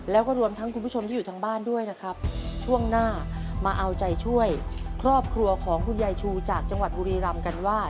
แล้วก็รวมทั้งคุณผู้ชมที่อยู่ทางบ้านด้วยนะครับช่วงหน้ามาเอาใจช่วยครอบครัวของคุณยายชูจากจังหวัดบุรีรำกันว่า